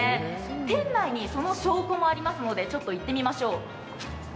店内にその証拠もありますのでちょっと行ってみましょう。